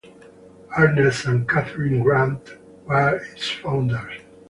Ernest and Catharine Grant were its founders.